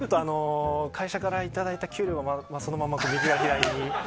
会社からいただいた給料をそのまま右から、左に。